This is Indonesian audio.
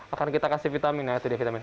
akan kita kasih vitamin nah itu dia vitamin